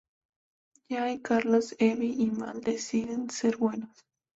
Jay, Carlos, Evie y Mal deciden ser buenos.